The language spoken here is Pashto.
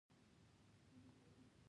ناانډولي د خوځښت د کموالي سبب نه ده شوې.